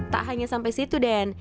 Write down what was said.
tak hanya sampai situ den